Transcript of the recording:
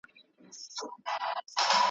د کلو خمار وهلي تشوي به پیالې خپلي `